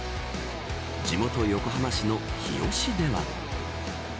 地元横浜市の日吉では。